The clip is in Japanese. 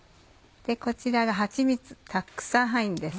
こちらがはちみつたくさん入るんです。